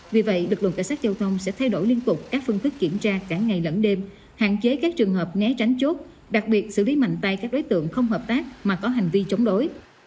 vì vậy lực lượng cảnh sát giao thông sẽ thay đổi liên tục các phương thức kiểm tra cả ngày lẫn đêm hạn chế các trường hợp né tránh chốt đặc biệt xử lý mạnh tay các đối tượng không hợp tác mà có hành vi chống đối